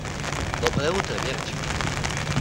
Доброе утро, Верочка.